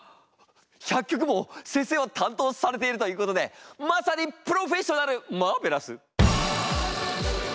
１００曲も先生は担当されているということでまさにプロフェッショナルマーベラス。